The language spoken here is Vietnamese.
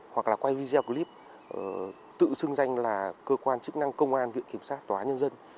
hoặc là quay video clip tự xưng danh là cơ quan chức năng công an viện kiểm sát tòa án nhân dân